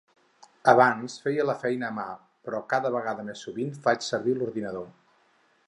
Abans feia la feina a mà, però cada vegada més sovint faig servir l'ordinador.